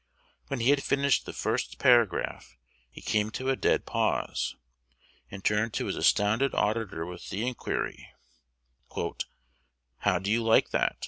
When he had finished the first paragraph, he came to a dead pause, and turned to his astounded auditor with the inquiry, "How do you like that?